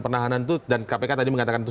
penahanan itu dan kpk tadi mengatakan itu